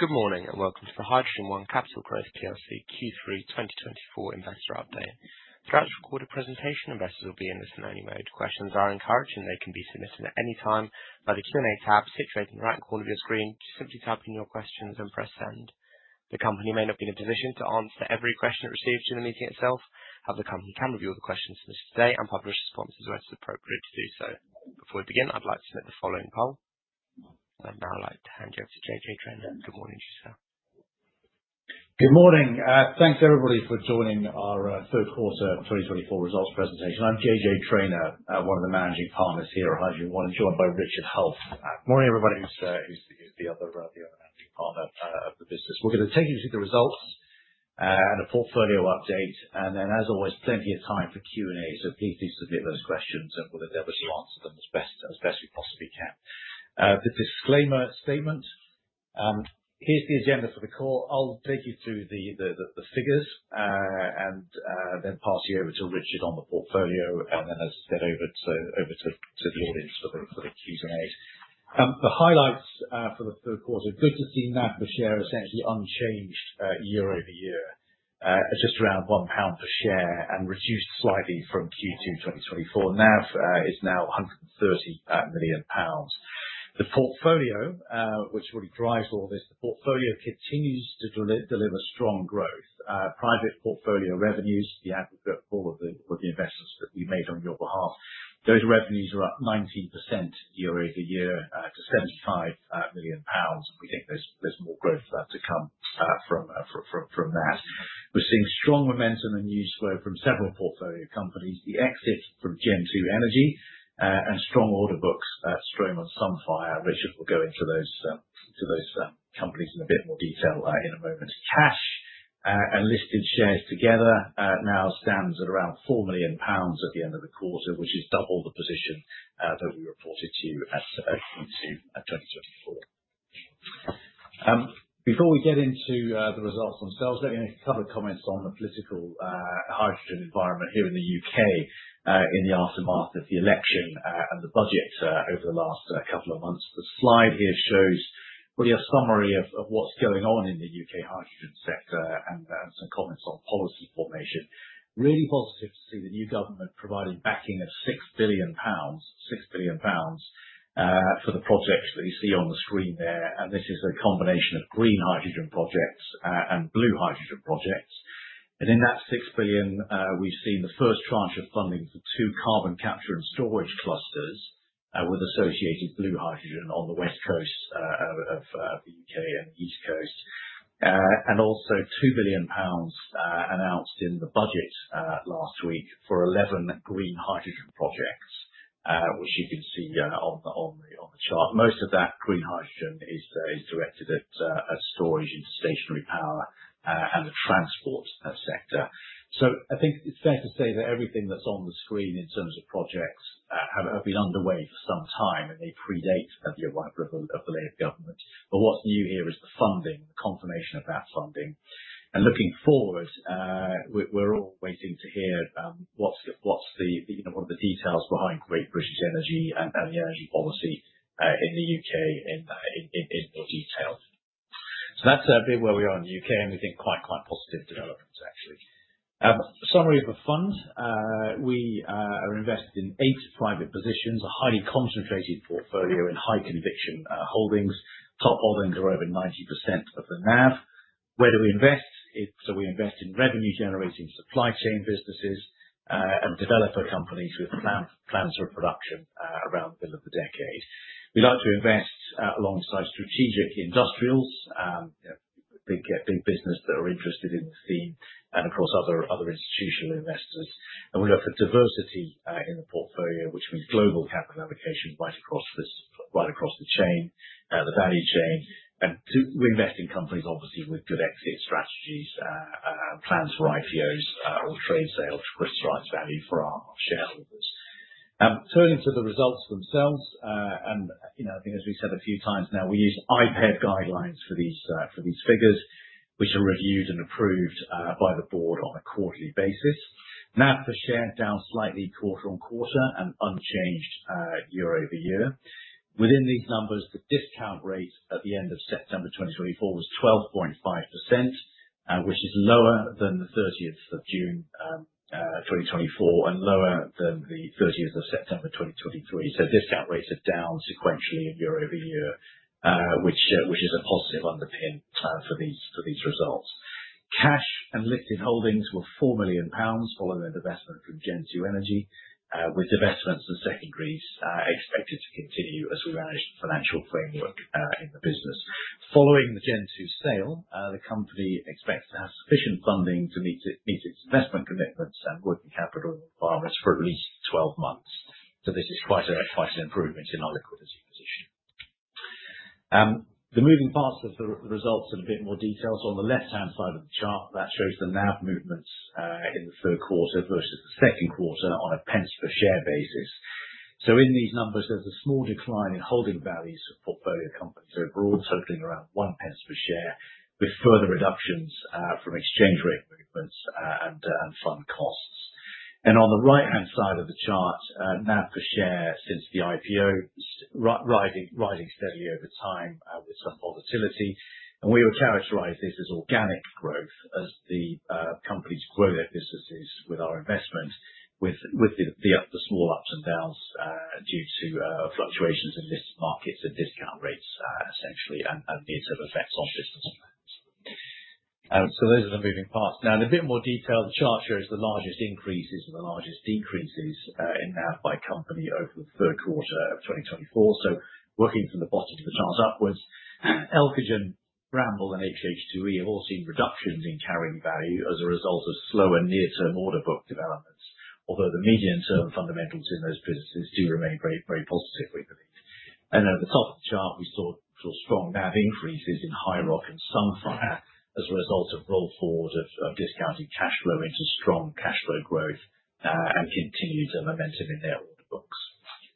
Good morning and welcome to the HydrogenOne Capital Growth Investor Update. Throughout this recorded presentation, investors will be in listen-only mode. Questions are encouraged, and they can be submitted at any time via the Q&A tab situated in the right corner of your screen. Just simply type in your questions and press send. The company may not be in a position to answer every question it receives during the meeting itself; however, the company can review all the questions submitted today and publish responses where it is appropriate to do so. Before we begin, I'd like to submit the following poll. I'd now like to hand you over to JJ Traynor. Good morning, sir. Good morning. Thanks, everybody, for joining our third quarter 2024 results presentation. I'm JJ Traynor, one of the managing partners here at HydrogenOne Capital Growth, joined by Richard Hulf. Good morning, everybody. Who's the other managing partner of the business? We're going to take you through the results and a portfolio update, and then, as always, plenty of time for Q&A, so please do submit those questions, and we'll then respond to them as best we possibly can. The disclaimer statement. Here's the agenda for the call. I'll take you through the figures and then pass you over to Richard on the portfolio, and then, as I said, over to the audience for the Q&A. The highlights for the third quarter: good to see NAV per share essentially unchanged year-over-year, just around 1 pound per share, and reduced slightly from Q2 2024. NAV is now 130 million pounds. The portfolio, which really drives all this, the portfolio continues to deliver strong growth. Private portfolio revenues, the aggregate of all of the investments that we made on your behalf, those revenues are up 19% year-over-year to £75 million. We think there's more growth to come from that. We're seeing strong momentum and news flow from several portfolio companies. The exit from Gen2 Energy and strong order books from Sunfire. Richard will go into those companies in a bit more detail in a moment. Cash and listed shares together now stands at around £4 million at the end of the quarter, which is double the position that we reported to you at Q2 2024. Before we get into the results themselves, let me make a couple of comments on the policy hydrogen environment here in the U.K. in the aftermath of the election and the budget over the last couple of months. The slide here shows really a summary of what's going on in the U.K. hydrogen sector and some comments on policy formation. Really positive to see the new government providing backing of 6 billion pounds for the projects that you see on the screen there, and in that 6 billion, we've seen the first tranche of funding for two carbon capture and storage clusters with associated blue hydrogen on the West Coast of the U.K. and East Coast, and also 2 billion pounds announced in the budget last week for 11 green hydrogen projects, which you can see on the chart. Most of that green hydrogen is directed at storage into stationary power and the transport sector. I think it's fair to say that everything that's on the screen in terms of projects have been underway for some time, and they predate the arrival of the Labour government. But what's new here is the funding, the confirmation of that funding. Looking forward, we're all waiting to hear what's the, you know, one of the details behind Great British Energy and the energy policy in the UK in more detail. That's a bit where we are in the UK, and we think quite, quite positive developments, actually. Summary of the fund: we are invested in eight private positions, a highly concentrated portfolio in high conviction holdings. Top holdings are over 90% of the NAV. Where do we invest? We invest in revenue-generating supply chain businesses and developer companies with plans for production around the middle of the decade. We like to invest alongside strategic industrials, big businesses that are interested in the theme, and, of course, other institutional investors, and we look for diversity in the portfolio, which means global capital allocation right across the chain, the value chain, and we invest in companies, obviously, with good exit strategies, plans for IPOs, or trade sales, or risk-to-price value for our shareholders. Turning to the results themselves, and, you know, I think, as we said a few times now, we use IPEV guidelines for these figures, which are reviewed and approved by the board on a quarterly basis. NAV per share down slightly quarter on quarter and unchanged year-over-year. Within these numbers, the discount rate at the end of September 2024 was 12.5%, which is lower than the 30th of June 2024 and lower than the 30th of September 2023. Discount rates are down sequentially year-over-year, which is a positive underpin for these results. Cash and listed holdings were 4 million pounds, following a divestment from Gen2 Energy, with divestments and secondaries expected to continue as we manage the financial framework in the business. Following the Gen2 sale, the company expects to have sufficient funding to meet its investment commitments and working capital requirements for at least 12 months. This is quite an improvement in our liquidity position. The moving parts of the results are in a bit more detail. On the left-hand side of the chart, that shows the NAV movements in the third quarter versus the second quarter on a pence per share basis. In these numbers, there's a small decline in holding values for portfolio companies overall, totaling around 0.01 pound per share, with further reductions from exchange rate movements and fund costs. On the right-hand side of the chart, NAV per share since the IPO, rising steadily over time with some volatility. We would characterize this as organic growth, as the companies grow their businesses with our investment, with the small ups and downs due to fluctuations in listed markets and discount rates, essentially, and the effects on business plans. Those are the moving parts. Now, in a bit more detail, the chart shows the largest increases and the largest decreases in NAV by company over the third quarter of 2024. Working from the bottom of the chart upwards, Elcogen, Bramble, and HH2E have all seen reductions in carrying value as a result of slower near-term order book developments, although the medium-term fundamentals in those businesses do remain very positive, we believe. And at the top of the chart, we saw strong NAV increases in HiiROC and Sunfire as a result of roll-forward of discounted cash flow into strong cash flow growth and continued momentum in their order books.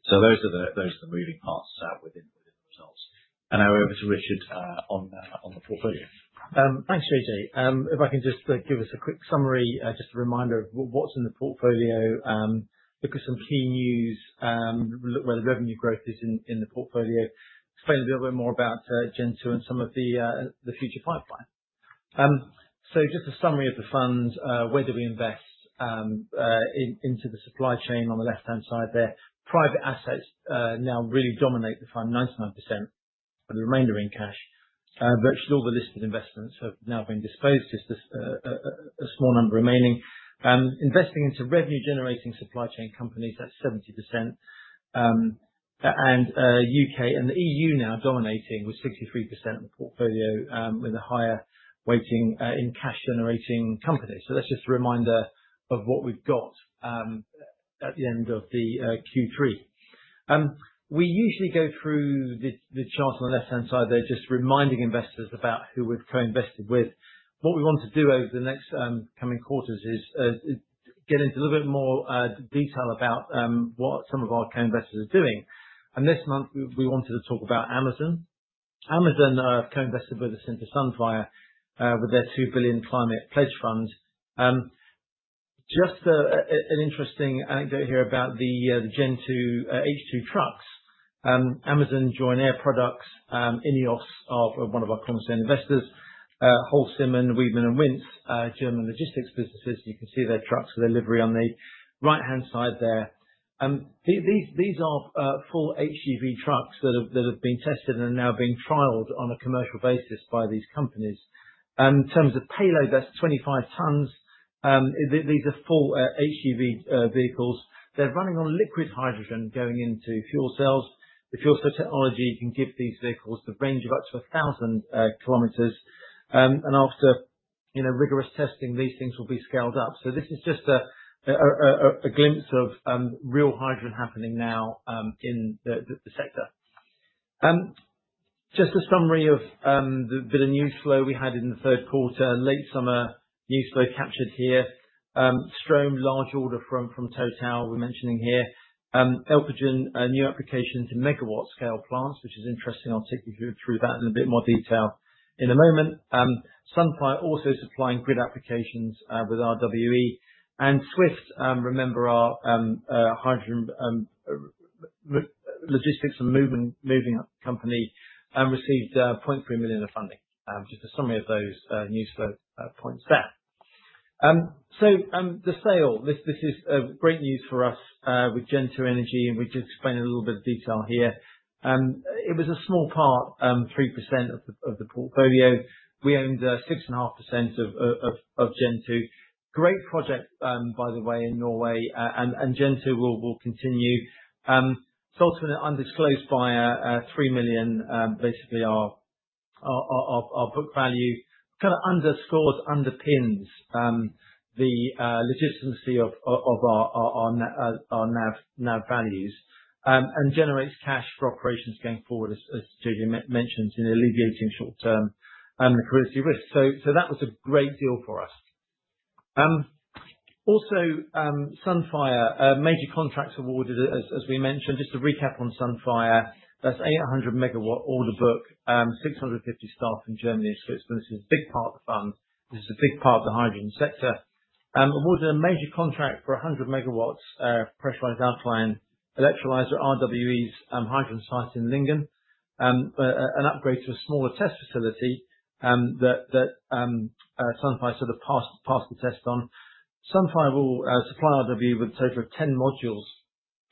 So those are the moving parts within the results. And now over to Richard on the portfolio. Thanks, JJ. If I can just give us a quick summary, just a reminder of what's in the portfolio, look at some key news, look where the revenue growth is in the portfolio, explain a little bit more about Gen2 and some of the future pipeline, so just a summary of the fund, where do we invest into the supply chain on the left-hand side there. Private assets now really dominate the fund, 99%, but the remainder in cash. Virtually all the listed investments have now been disposed, just a small number remaining. Investing into revenue-generating supply chain companies, that's 70%. And the UK and the EU now dominating with 63% of the portfolio, with a higher weighting in cash-generating companies, so that's just a reminder of what we've got at the end of the Q3. We usually go through the chart on the left-hand side there, just reminding investors about who we've co-invested with. What we want to do over the next coming quarters is get into a little bit more detail about what some of our co-investors are doing. And this month, we wanted to talk about Amazon. Amazon have co-invested with us into Sunfire with their $2 billion Climate Pledge Fund. Just an interesting anecdote here about the Gen2 H2 trucks. Amazon joined Air Products, INEOS, one of our co-investors, Holcim, and Wiedmann & Winz, German logistics businesses. You can see their trucks for delivery on the right-hand side there. These are full HGV trucks that have been tested and are now being trialed on a commercial basis by these companies. In terms of payload, that's 25 tons. These are full HGV vehicles. They're running on liquid hydrogen going into fuel cells. The fuel cell technology can give these vehicles the range of up to 1,000 km. After rigorous testing, these things will be scaled up. This is just a glimpse of real hydrogen happening now in the sector. Just a summary of the bit of news flow we had in the third quarter, late summer news flow captured here. Strohm, large order from Total, we're mentioning here. Elcogen, new applications in megawatt-scale plants, which is interesting. I'll take you through that in a bit more detail in a moment. Sunfire also supplying grid applications with RWE. Swift, remember, our hydrogen logistics and moving company received 0.3 million of funding. Just a summary of those news flow points there. So the sale, this is great news for us with Gen2 Energy, and we just explained a little bit of detail here. It was a small part, 3% of the portfolio. We owned 6.5% of Gen2. Great project, by the way, in Norway, and Gen2 will continue. Sold to an undisclosed buyer, 3 million, basically our book value, kind of underscores, underpins the legitimacy of our NAV values and generates cash for operations going forward, as JJ mentioned, in alleviating short-term liquidity risks. So that was a great deal for us. Also, Sunfire, major contracts awarded, as we mentioned. Just to recap on Sunfire, that's 800 megawatt order book, 650 staff in Germany. So this is a big part of the fund. This is a big part of the hydrogen sector. Awarded a major contract for 100 megawatts pressurized alkaline electrolyzer, RWE's hydrogen site in Lingen, an upgrade to a smaller test facility that Sunfire sort of passed the test on. Sunfire will supply RWE with a total of 10 modules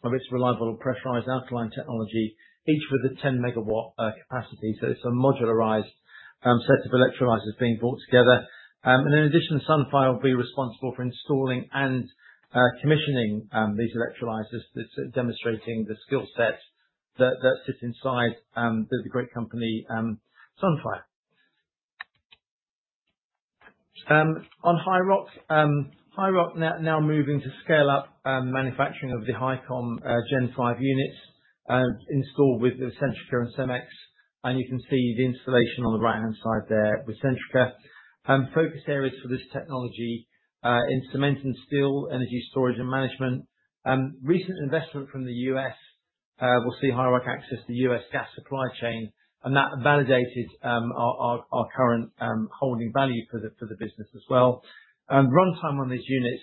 of its reliable pressurized alkaline technology, each with a 10 megawatt capacity. So it's a modularized set of electrolyzers being brought together. And in addition, Sunfire will be responsible for installing and commissioning these electrolyzers, that's demonstrating the skill set that sits inside the great company Sunfire. On HiiROC, HiiROC now moving to scale up manufacturing of the HiCom Gen 5 units installed with the Centrica and Cemex. And you can see the installation on the right-hand side there with Centrica. Focus areas for this technology in cement and steel, energy storage and management. Recent investment from the US. We'll see HiiROC access the U.S. gas supply chain, and that validated our current holding value for the business as well. Runtime on these units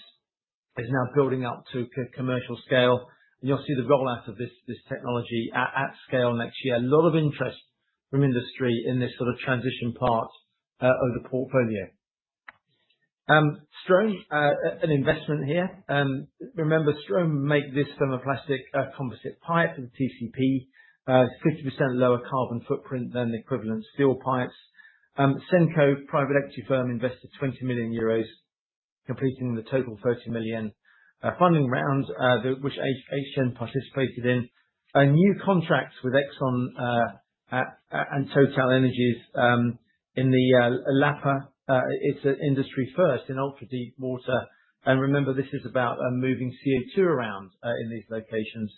is now building up to commercial scale. And you'll see the rollout of this technology at scale next year. A lot of interest from industry in this sort of transition part of the portfolio. Strohm, an investment here. Remember, Strohm made this thermoplastic composite pipe for the TCP, 50% lower carbon footprint than equivalent steel pipes. SENCO, private equity firm, invested 20 million euros completing the total 30 million funding round, which HGEN participated in. New contracts with Exxon and TotalEnergies in the Lapa. It's an industry first in ultra-deep water. And remember, this is about moving CO2 around in these locations,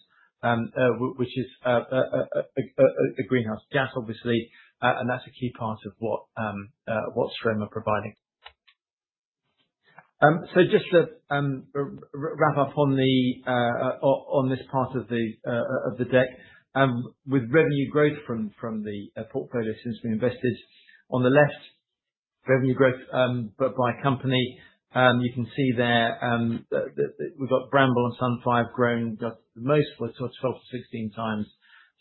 which is a greenhouse gas, obviously. And that's a key part of what Strohm are providing. So just to wrap up on this part of the deck, with revenue growth from the portfolio since we invested on the left, revenue growth by company. You can see there we've got Bramble and Sunfire have grown the most, we're 12-16 times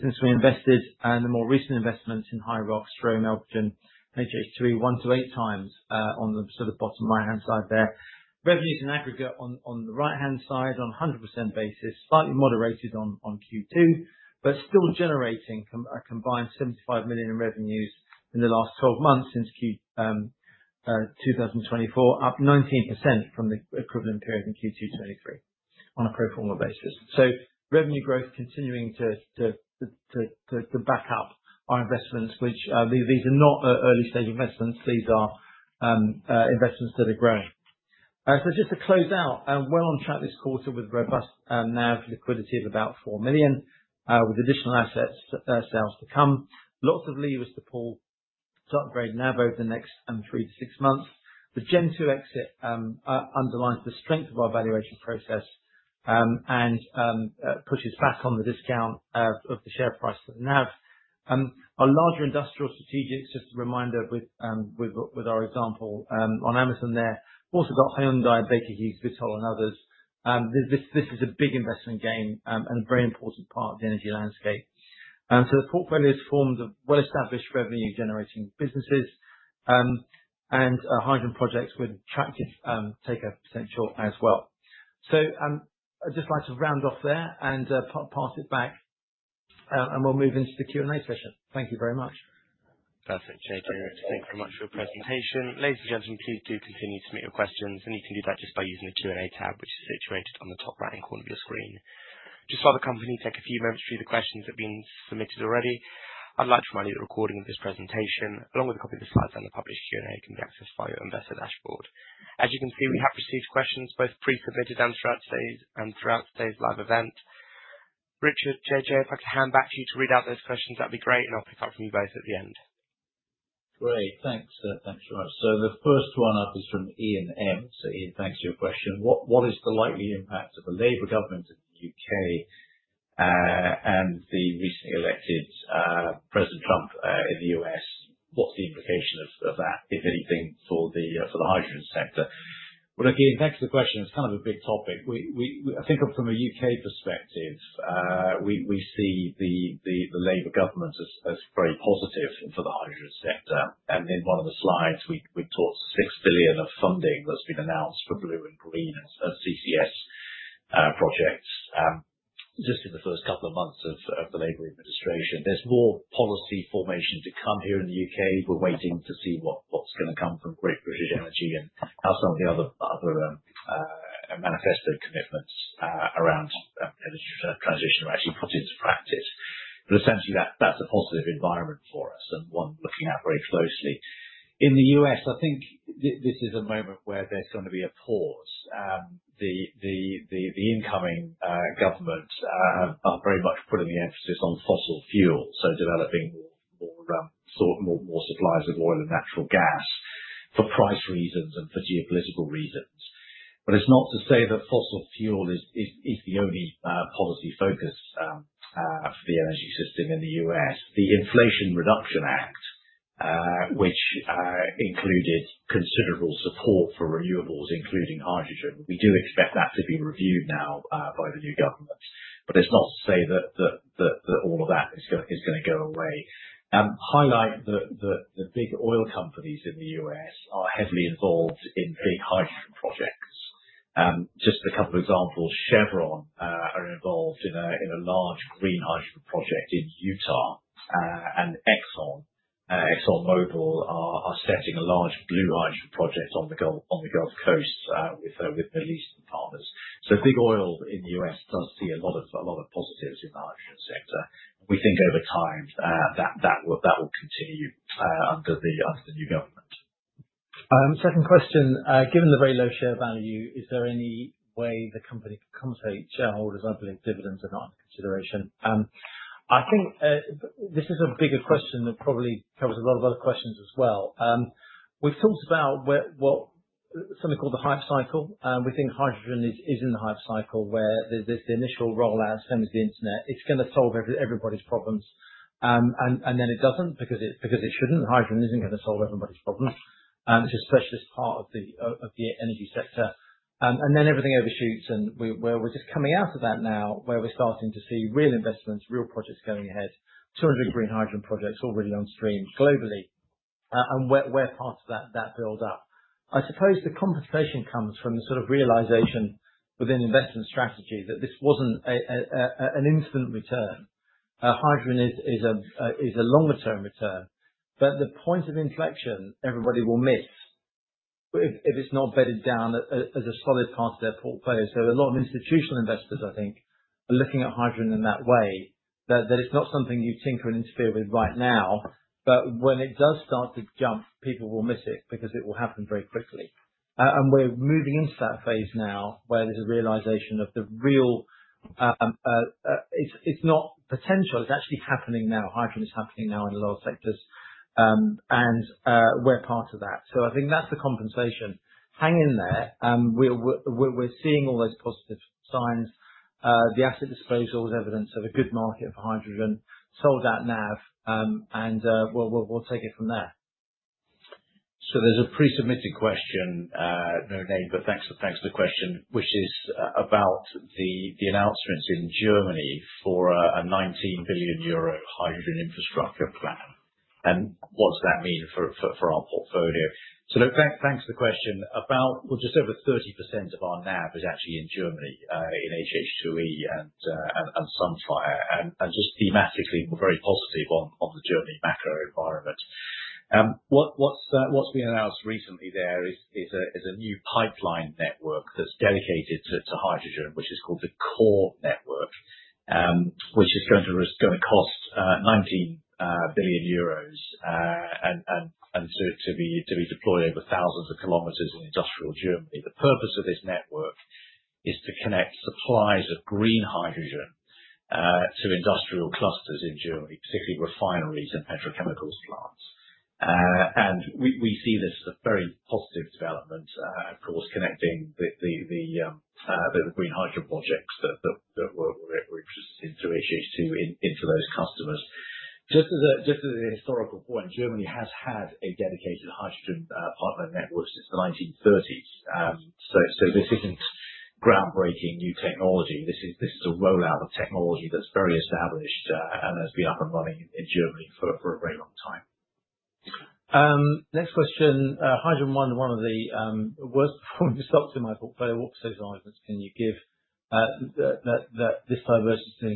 since we invested. And the more recent investments in HiiROC, Strohm, Elcogen, HH2E, 1-8 times on the sort of bottom right-hand side there. Revenues in aggregate on the right-hand side on a 100% basis, slightly moderated on Q2, but still generating a combined 75 million in revenues in the last 12 months since 2024, up 19% from the equivalent period in Q2 2023 on a pro forma basis. So revenue growth continuing to back up our investments, which these are not early-stage investments. These are investments that are growing. So just to close out, well on track this quarter with robust NAV liquidity of about 4 million, with additional asset sales to come. Lots of levers to pull to upgrade NAV over the next three to six months. The Gen2 exit underlines the strength of our valuation process and pushes back on the discount of the share price to NAV. Our larger industrial strategics, just a reminder with our example on Amazon there, also got Hyundai, Baker Hughes, Vitol, and others. This is a big investment game and a very important part of the energy landscape. So the portfolio is formed of well-established revenue-generating businesses, and hydrogen projects with attractive takeout potential as well. So I'd just like to round off there and pass it back, and we'll move into the Q&A session. Thank you very much. Perfect, JJ. Thanks very much for your presentation. Ladies and gentlemen, please do continue to submit your questions, and you can do that just by using the Q&A tab, which is situated on the top right-hand corner of your screen. Just while the company takes a few moments to read the questions that have been submitted already, I'd like to remind you that the recording of this presentation, along with a copy of the slides and the published Q&A, can be accessed via your Investor Dashboard. As you can see, we have received questions both pre-submitted and throughout today's live event. Richard, JJ, if I could hand back to you to read out those questions, that'd be great, and I'll pick up from you both at the end. Great. Thanks, Josh. So the first one up is from Ian M. So Ian, thanks for your question. What is the likely impact of the Labour government in the U.K. and the recently elected President Trump in the U.S.? What's the implication of that, if anything, for the hydrogen sector? Well, look, Ian, thanks for the question. It's kind of a big topic. I think from a U.K. perspective, we see the Labour government as very positive for the hydrogen sector. And in one of the slides, we talked to 6 billion of funding that's been announced for blue and green CCS projects just in the first couple of months of the Labour administration. There's more policy formation to come here in the U.K. We're waiting to see what's going to come from Great British Energy and how some of the other manifesto commitments around energy transition are actually put into practice. But essentially, that's a positive environment for us and one looking at very closely. In the U.S., I think this is a moment where there's going to be a pause. The incoming government are very much putting the emphasis on fossil fuels, so developing more supplies of oil and natural gas for price reasons and for geopolitical reasons. But it's not to say that fossil fuel is the only policy focus for the energy system in the U.S. The Inflation Reduction Act, which included considerable support for renewables, including hydrogen, we do expect that to be reviewed now by the new government. But it's not to say that all of that is going to go away. Highlight, the big oil companies in the U.S. are heavily involved in big hydrogen projects. Just a couple of examples, Chevron are involved in a large green hydrogen project in Utah, and ExxonMobil are setting a large blue hydrogen project on the Gulf Coast with Middle Eastern partners. So big oil in the U.S. does see a lot of positives in the hydrogen sector. We think over time that will continue under the new government. Second question, given the very low share value, is there any way the company can compensate shareholders? I believe dividends are not under consideration. I think this is a bigger question that probably covers a lot of other questions as well. We've talked about something called the hype cycle. We think hydrogen is in the hype cycle where there's the initial rollout, same as the internet. It's going to solve everybody's problems. And then it doesn't because it shouldn't. Hydrogen isn't going to solve everybody's problems. It's a specialist part of the energy sector. And then everything overshoots. And we're just coming out of that now, where we're starting to see real investments, real projects going ahead. 200 green hydrogen projects already on stream globally. And we're part of that build-up. I suppose the compensation comes from the sort of realization within investment strategy that this wasn't an instant return. Hydrogen is a longer-term return. But the point of inflection everybody will miss if it's not bedded down as a solid part of their portfolio. So a lot of institutional investors, I think, are looking at hydrogen in that way, that it's not something you tinker and interfere with right now. But when it does start to jump, people will miss it because it will happen very quickly. And we're moving into that phase now where there's a realization of the reality. It's not potential. It's actually happening now. Hydrogen is happening now in a lot of sectors. And we're part of that. So I think that's the compensation. Hang in there. We're seeing all those positive signs. The asset disposal is evidence of a good market for hydrogen. Sold out NAV. And we'll take it from there. There's a pre-submitted question, no name, but thanks for the question, which is about the announcements in Germany for a 19 billion euro hydrogen infrastructure plan. What does that mean for our portfolio? Look, thanks for the question. About just over 30% of our NAV is actually in Germany, in HH2E and Sunfire, and just thematically very positive on the Germany macro environment. What's been announced recently there is a new pipeline network that's dedicated to hydrogen, which is called the Core Network, which is going to cost 19 billion euros and to be deployed over thousands of kilometers in industrial Germany. The purpose of this network is to connect supplies of green hydrogen to industrial clusters in Germany, particularly refineries and petrochemicals plants. We see this as a very positive development, of course, connecting the green hydrogen projects that we're introducing to HH2E into those customers. Just as a historical point, Germany has had a dedicated hydrogen partner network since the 1930s. So this isn't groundbreaking new technology. This is a rollout of technology that's very established and has been up and running in Germany for a very long time. Next question, HydrogenOne one of the worst-performing stocks in my portfolio. What arguments can you give that this discount to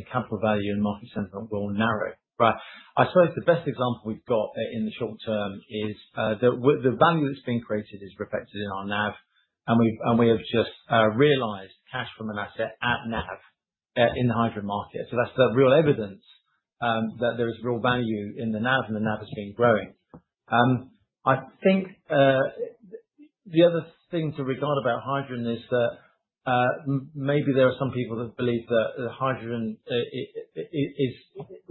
NAV and market sentiment will narrow? Right. I suppose the best example we've got in the short term is the value that's been created is reflected in our NAV, and we have just realized cash from an asset at NAV in the hydrogen market. So that's the real evidence that there is real value in the NAV, and the NAV has been growing. I think the other thing to regard about hydrogen is that maybe there are some people that believe that hydrogen is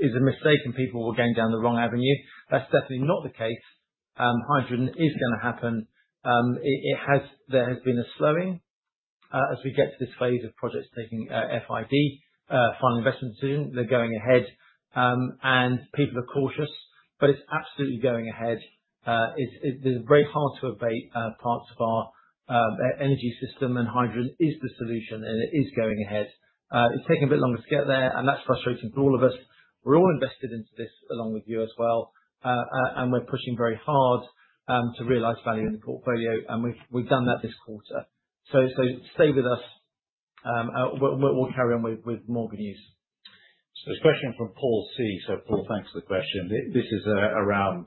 a mistake and people were going down the wrong avenue. That's definitely not the case. Hydrogen is going to happen. There has been a slowing as we get to this phase of projects taking FID, Final Investment Decision. They're going ahead, and people are cautious, but it's absolutely going ahead. It's very hard to abate parts of our energy system, and hydrogen is the solution, and it is going ahead. It's taken a bit longer to get there, and that's frustrating for all of us. We're all invested into this along with you as well, and we're pushing very hard to realize value in the portfolio, and we've done that this quarter, so stay with us. We'll carry on with more good news. There's a question from Paul C. Paul, thanks for the question. This is around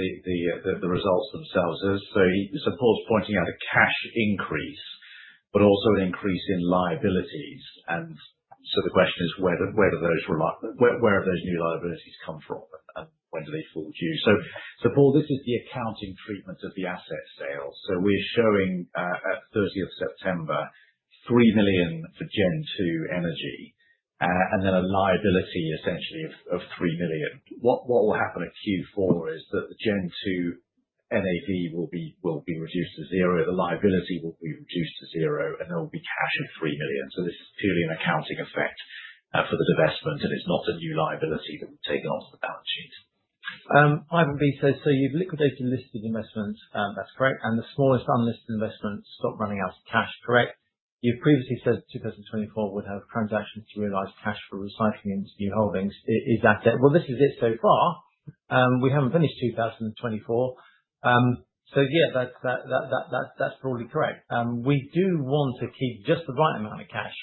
the results themselves. Paul's pointing out a cash increase, but also an increase in liabilities. The question is where do those new liabilities come from, and when do they fall due? Paul, this is the accounting treatment of the asset sales. We're showing at 30th September 3 million for Gen2 Energy, and then a liability essentially of 3 million. What will happen at Q4 is that the Gen2 NAV will be reduced to zero, the liability will be reduced to zero, and there will be cash of 3 million. This is purely an accounting effect for the divestment, and it's not a new liability that we've taken off the balance sheet. So you've liquidated listed investments." That's correct. "And the smallest unlisted investments stopped running out of cash." Correct. You've previously said 2024 would have transactions to realize cash for recycling into new holdings. Is that it? Well, this is it so far. We haven't finished 2024. So yeah, that's probably correct. We do want to keep just the right amount of cash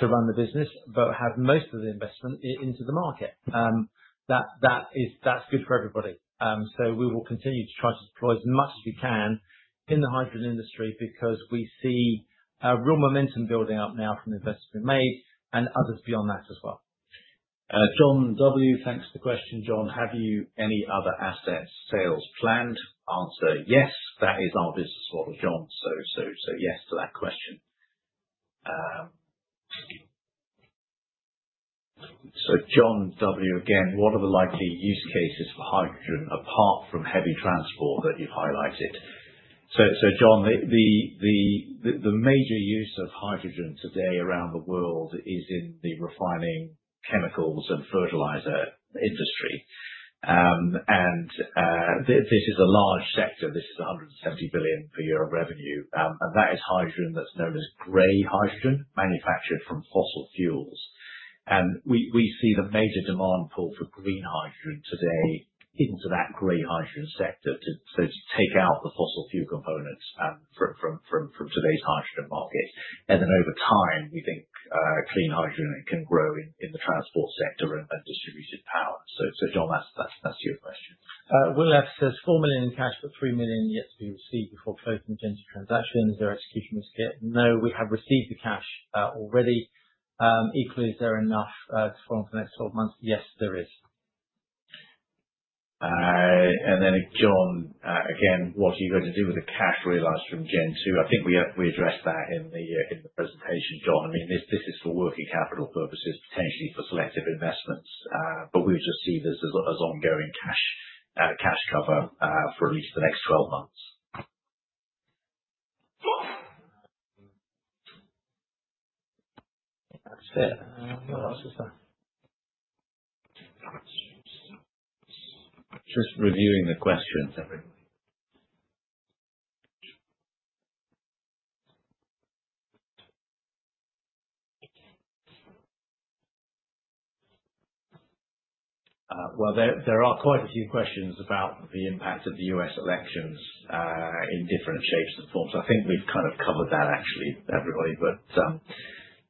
to run the business, but have most of the investment into the market. That's good for everybody. So we will continue to try to deploy as much as we can in the hydrogen industry because we see real momentum building up now from the investments we've made and others beyond that as well. John W. Thanks for the question, John. "Have you any other asset sales planned?" Answer, "Yes. That is our business model, John." So yes to that question. So John W. again, "What are the likely use cases for hydrogen apart from heavy transport that you've highlighted?" So John, the major use of hydrogen today around the world is in the refining chemicals and fertilizer industry. And this is a large sector. This is 170 billion per year of revenue. And that is hydrogen that's known as gray hydrogen, manufactured from fossil fuels. And we see the major demand pull for green hydrogen today into that gray hydrogen sector, so to take out the fossil fuel components from today's hydrogen market. And then over time, we think clean hydrogen can grow in the transport sector and distributed power. So John, that's your question. Will F says, "4 million in cash, but 3 million yet to be received before closing the Gen2 transaction. Is there execution risk yet?" No, we have received the cash already. Equally, is there enough to follow for the next 12 months? Yes, there is. And then John, again, "What are you going to do with the cash realized from Gen2?" I think we addressed that in the presentation, John. I mean, this is for working capital purposes, potentially for selective investments. But we would just see this as ongoing cash cover for at least the next 12 months. That's it. What else is there? Just reviewing the questions, everybody. There are quite a few questions about the impact of the U.S. elections in different shapes and forms. I think we've kind of covered that, actually, everybody.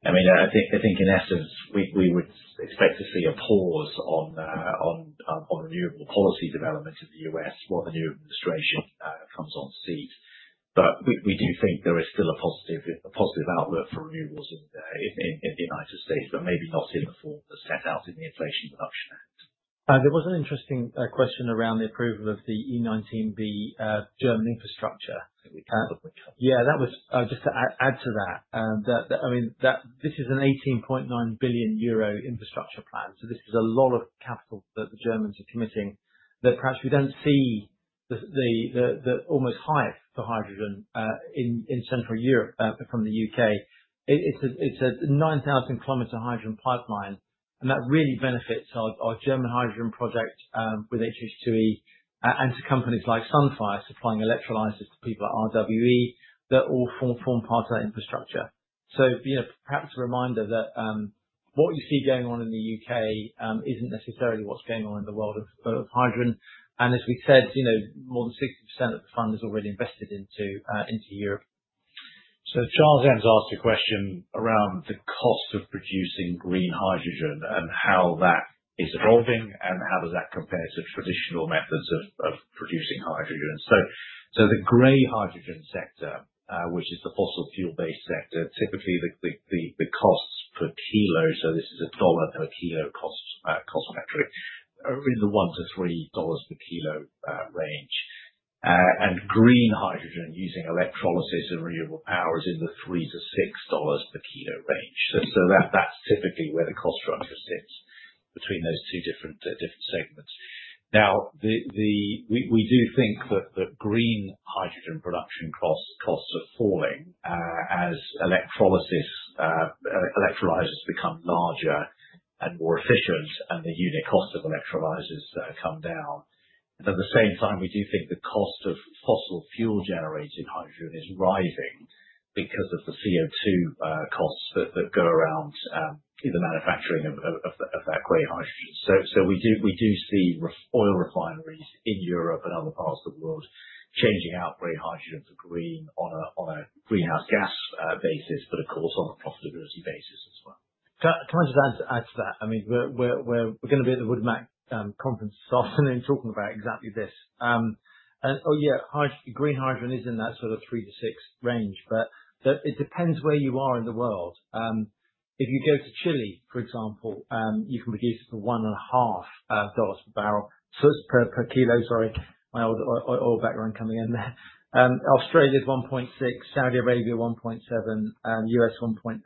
I mean, I think in essence, we would expect to see a pause on renewable policy development in the U.S. while the new administration comes on the scene. We do think there is still a positive outlook for renewables in the United States, but maybe not in the form that's set out in the Inflation Reduction Act. There was an interesting question around the approval of the €19B German infrastructure. Yeah, that was just to add to that. I mean, this is an €18.9 billion infrastructure plan, so this is a lot of capital that the Germans are committing that perhaps we don't see the almost highest for hydrogen in Central Europe from the UK. It's a 9,000-kilometer hydrogen pipeline, and that really benefits our German hydrogen project with HH2E and to companies like Sunfire supplying electrolyzers to people at RWE that all form part of that infrastructure, so perhaps a reminder that what you see going on in the UK isn't necessarily what's going on in the world of hydrogen, and as we said, more than 60% of the fund is already invested into Europe. So Charles Evans asked a question around the cost of producing green hydrogen and how that is evolving and how does that compare to traditional methods of producing hydrogen? The gray hydrogen sector, which is the fossil fuel-based sector, typically the costs per kilo, so this is a dollar per kilo cost metric, are in the $1-$3 per kilo range. Green hydrogen using electrolysis and renewable power is in the $3-$6 per kilo range. That's typically where the cost structure sits between those two different segments. Now, we do think that the green hydrogen production costs are falling as electrolysis becomes larger and more efficient and the unit cost of electrolyzers comes down. At the same time, we do think the cost of fossil fuel-generated hydrogen is rising because of the CO2 costs that go around in the manufacturing of that gray hydrogen. So we do see oil refineries in Europe and other parts of the world changing out gray hydrogen for green on a greenhouse gas basis, but of course, on a profitability basis as well. Can I just add to that? I mean, we're going to be at the Wood Mackenzie conference this afternoon talking about exactly this. And yeah, green hydrogen is in that sort of three to six range, but it depends where you are in the world. If you go to Chile, for example, you can produce it for $1.5 per barrel. So it's per kilo, sorry, my old oil background coming in there. Australia is $1.6, Saudi Arabia $1.7, U.S. $1.8,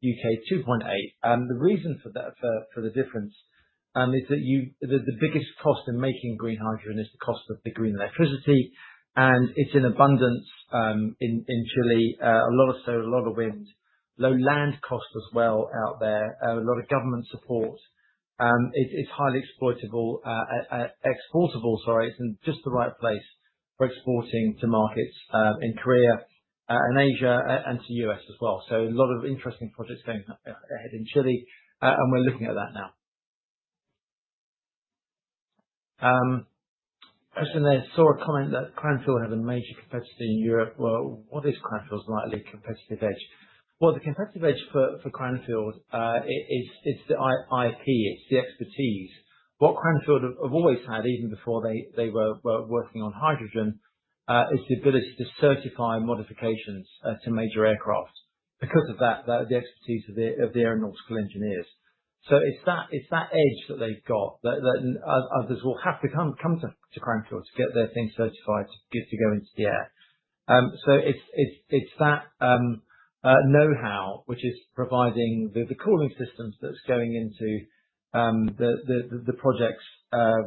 U.K. $2.8. And the reason for the difference is that the biggest cost in making green hydrogen is the cost of the green electricity. And it's in abundance in Chile. A lot of solar, a lot of wind, low land cost as well out there, a lot of government support. It's highly exploitable, exportable, sorry, it's in just the right place for exporting to markets in Korea and Asia and to the U.S. as well. So a lot of interesting projects going ahead in Chile, and we're looking at that now. Question there, saw a comment that Cranfield have a major competitor in Europe. Well, what is Cranfield's competitive edge? Well, the competitive edge for Cranfield is the IP, it's the expertise. What Cranfield have always had, even before they were working on hydrogen, is the ability to certify modifications to major aircraft. Because of that, the expertise of the aeronautical engineers. So it's that edge that they've got that others will have to come to Cranfield to get their things certified to go into the air. It's that know-how, which is providing the cooling systems that's going into the projects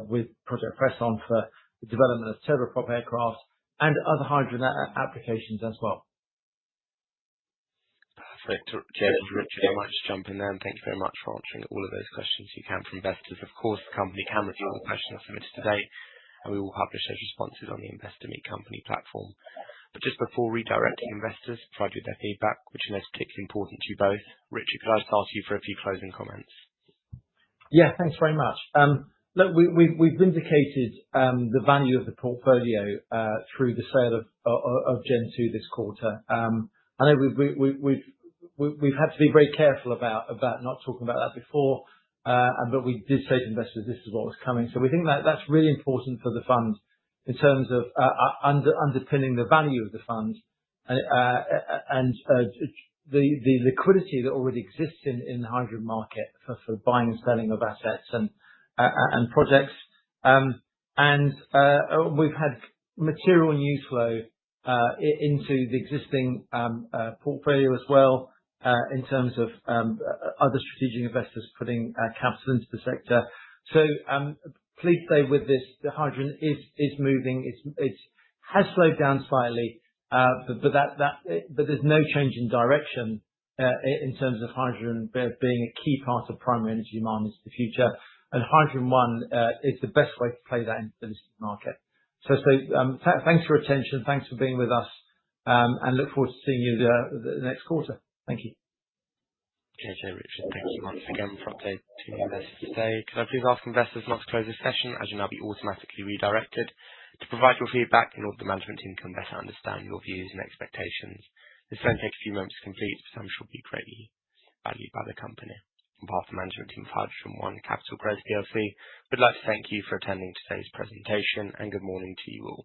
with Project Fresson for the development of turboprop aircraft and other hydrogen applications as well. Perfect. James, Richard, I might just jump in there and thank you very much for answering all of those questions. You can't for investors. Of course, the company can review all the questions submitted today, and we will publish those responses on the Investor Meet Company platform but just before redirecting investors provide with their feedback, which I know is particularly important to you both. Richard, could I just ask you for a few closing comments? Yeah, thanks very much. Look, we've vindicated the value of the portfolio through the sale of Gen2 this quarter. I know we've had to be very careful about not talking about that before, but we did say to investors, "This is what was coming." So we think that that's really important for the fund in terms of underpinning the value of the fund and the liquidity that already exists in the hydrogen market for buying and selling of assets and projects. And we've had material news flow into the existing portfolio as well in terms of other strategic investors putting capital into the sector. So please stay with this. The hydrogen is moving. It has slowed down slightly, but there's no change in direction in terms of hydrogen being a key part of primary energy markets in the future. And Hydrogen One is the best way to play that in the listed market. So thanks for your attention. Thanks for being with us, and look forward to seeing you the next quarter. Thank you. Okay, James, Richard, thanks so much again for updating to investors today. Could I please ask investors not to close this session as you'll now be automatically redirected to provide your feedback in order the management team can better understand your views and expectations? This will only take a few moments to complete, but I'm sure it will be greatly valued by the company. On behalf of the management team of HydrogenOne Capital Growth plc, we'd like to thank you for attending today's presentation, and good morning to you all.